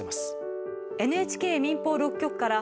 ＮＨＫ、民放６局から。